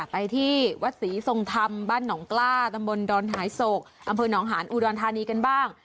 ไปที่วัดศรีทรงธรรมบ้านหนองกล้าตำบลดอนหายโศกอำเภอหนองหาญอุดรธานีกันบ้าง